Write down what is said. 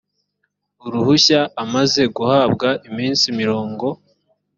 uruhushya amaze guhabwa iminsi mirongo